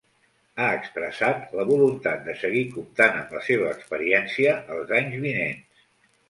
Ha expressat “la voluntat de seguir comptant amb la seva experiència els anys vinents”.